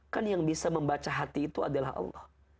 kan yang bisa membaca hati itu adalah allah